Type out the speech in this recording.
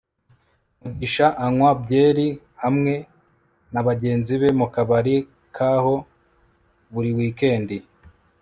mugisha anywa byeri hamwe nabagenzi be mukabari kaho buri wikendi